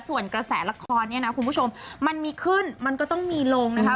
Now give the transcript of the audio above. ส่วนกระแสละครเนี่ยนะคุณผู้ชมมันมีขึ้นมันก็ต้องมีลงนะคะ